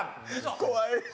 怖い。